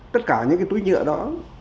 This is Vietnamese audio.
tất cả những cái túi nhựa đó